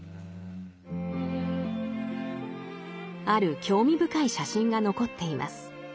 ある興味深い写真が残っています。